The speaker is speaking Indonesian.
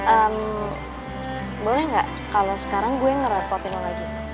eh boleh gak kalau sekarang gue ngerepotin lo lagi